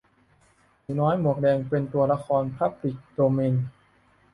หนูน้อยหมวกแดง เป็นตัวละครพับลิกโดเมน